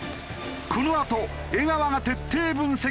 このあと江川が徹底分析する。